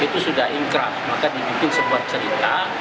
itu sudah ingkram maka dibuat sebuah cerita